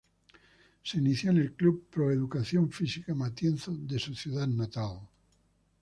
Se inició en el club Pro Educación Física Matienzo de su ciudad natal.